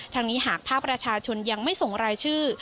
นี้หากภาคประชาชนยังไม่ส่งรายชื่อ